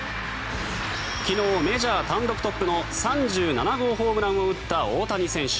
昨日、メジャー単独トップの３７号ホームランを打った大谷選手。